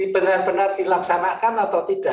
benar benar dilaksanakan atau tidak